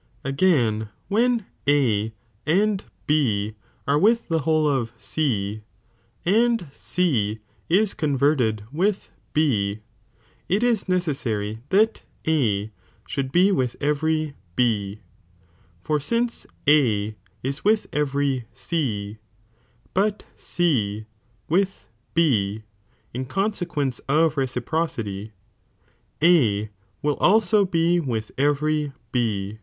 Again, when A and B are with the whole of C, and C is converted with B, it is necessary that A should be with every B, for since A is wiyi every C, but C with B in conse quence of reciprocity, A will also be with every B.